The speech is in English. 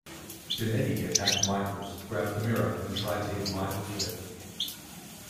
Jannetty attacked Michaels, grabbed the mirror and tried to hit Michaels with it.